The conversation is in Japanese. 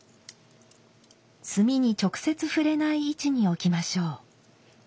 炭に直接触れない位置に置きましょう。